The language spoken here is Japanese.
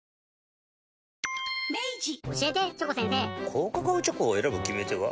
高カカオチョコを選ぶ決め手は？